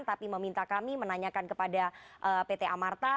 tapi meminta kami menanyakan kepada pt amarta